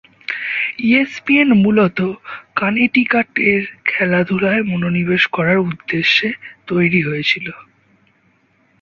ESPN মূলত Connecticut এর খেলাধুলায় মনোনিবেশ করার উদ্দেশ্যে তৈরি হয়েছিল।